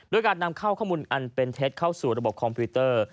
การนำเข้าข้อมูลอันเป็นเท็จเข้าสู่ระบบคอมพิวเตอร์